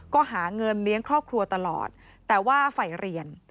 ก็หาเงินเลี้ยงครอบครัวตลอดแต่ว่าฝ่ายเรียน